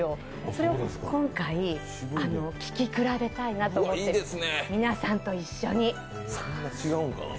それを今回、聴き比べたいなと思って、皆さんと一緒に。